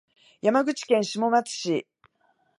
山口県下松市